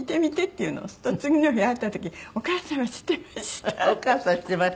そうすると次の日会った時「お母さんは知ってました」。